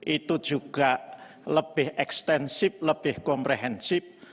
itu juga lebih ekstensif lebih komprehensif